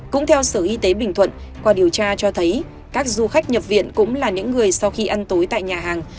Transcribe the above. cũng theo sở y tế bình thuận qua điều tra cho thấy các du khách nhập viện cũng là những người sau khi ăn tối tại nhà hàng